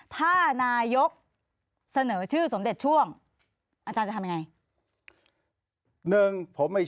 ถ้านายกเสนอชื่อสมเด็จช่วงอาจารย์จะทำยังไง